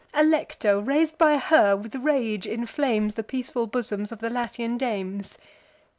Alecto, rais'd by her, with rage inflames The peaceful bosoms of the Latian dames.